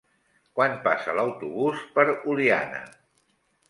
Quan passa l'autobús per Oliana?